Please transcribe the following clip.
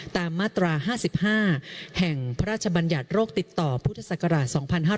ตามมาตรา๕๕แห่งพระราชบัญญัติโรคติดต่อพุทธศักราช๒๕๕๙